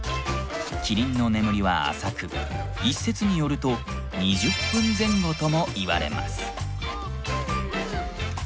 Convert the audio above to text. キリンの眠りは浅く一説によると２０分前後ともいわれます。